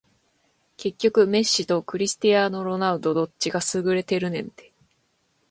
結局メッシとクリスティアーノ・ロナウドどっちが優れてるねんて